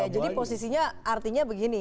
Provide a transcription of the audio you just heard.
jadi posisinya artinya begini